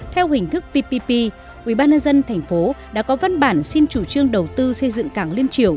theo hình thức ppp ubnd tp đã có văn bản xin chủ trương đầu tư xây dựng cảng liên triều